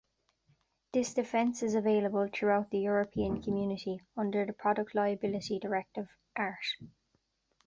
This defense is available throughout the European Community under the Product Liability Directive, art.